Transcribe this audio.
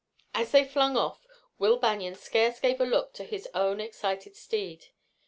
As they flung off Will Banion scarce gave a look to his own excited steed.